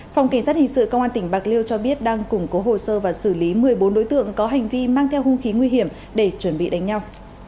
phòng kỳ sát hình sự công an tỉnh bạc liêu cho biết đang củng cố hồ sơ và xử lý một mươi bốn đối tượng có hành vi mang theo hung khí nguy hiểm để chuẩn bị đánh nhau